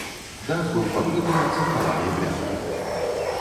Дах быў пакрыты ацынкаванай бляхай.